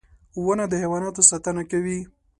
• ونه د حیواناتو ساتنه کوي.